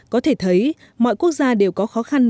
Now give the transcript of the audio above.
có thể thấy mọi quốc gia đều có khó khăn